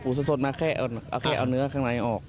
เป็นเดี๋ยวก่อมาแค่เอาปูสดมาแค่เอาเนื้อข้างในออก